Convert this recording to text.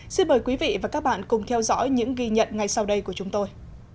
xin mời quý vị và các bạn cùng theo dõi những ghi nhận ngay sau đây của chúng tôi